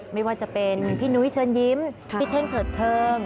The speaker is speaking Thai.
ไม่ว่าจะเป็นพี่นุ้ยเชิญยิ้มพี่เท่งเถิดเทิง